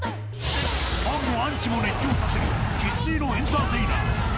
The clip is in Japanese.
ファンもアンチも熱狂させる生粋のエンターテイナー。